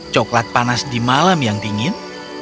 coklat panas di malam yang dingin